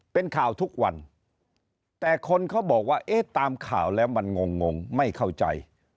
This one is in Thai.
เป็นข่าวทุกวันแต่คนเขาบอกว่าเอ๊ะตามข่าวแล้วมันงงไม่เข้าใจ